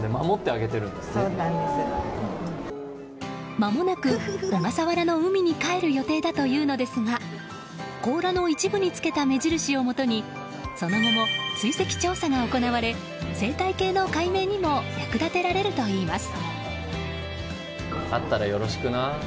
まもなく小笠原の海にかえる予定だというのですが甲羅の一部につけた目印をもとにその後も追跡調査が行われ生態系の解明にも役立てられるといいます。